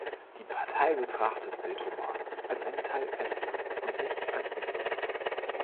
Die Partei betrachtet Setomaa als einen Teil Estlands und nicht als Russlands.